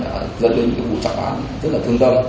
đã dẫn đến cái vụ trọng án rất là thương tâm